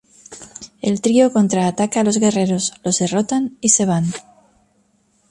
El trío contra ataca a los guerreros, los derrotan y se van.